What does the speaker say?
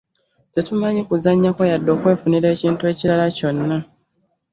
Tetumanyi kuzannyako yadde okwefunira ekintu ekirala kyonna.